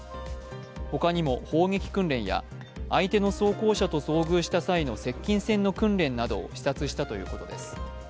他にも砲撃訓練や、相手の装甲車と遭遇した際の接近戦の訓練などを視察したということです。